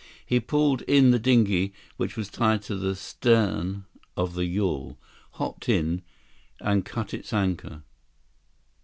He pulled in the dinghy which was tied to the stem of the yawl, hopped in, and cut its anchor.